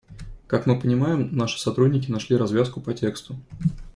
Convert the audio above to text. Как мы понимаем, наши сотрудники нашли развязку по тексту.